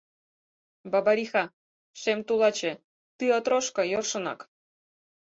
Бабариха — шем тулаче Ты отрошко йӧршынак